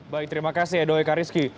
baik terima kasih edo eka rizky